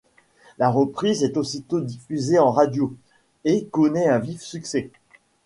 La reprise est aussitôt diffusée en radio et connaît un vif succès.